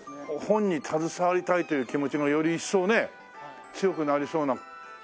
本に携わりたいという気持ちがより一層ね強くなりそうな。